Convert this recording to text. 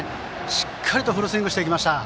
しっかりフルスイングしていきました。